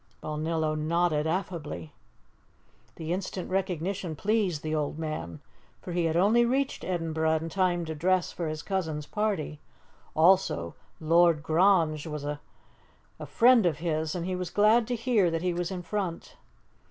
Balnillo nodded affably. The instant recognition pleased the old man, for he had only reached Edinburgh in time to dress for his cousin's party; also, Lord Grange was a friend of his, and he was glad to hear that he was in front.